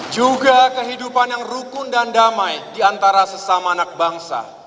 juga kehidupan yang rukun dan damai di antara sesama anak bangsa